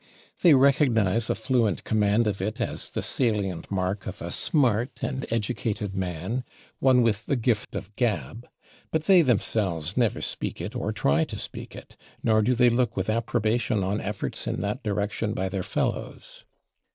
They recognize a fluent command of it as the salient mark of a "smart" and [Pg186] "educated" man, one with "the gift of gab." But they themselves never speak it or try to speak it, nor do they look with approbation on efforts in that direction by their fellows.